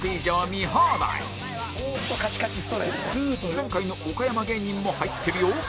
前回の岡山芸人も入ってるよ